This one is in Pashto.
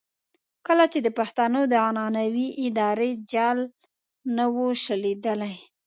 کله چې د پښتنو د عنعنوي ادارې جال نه وو شلېدلی.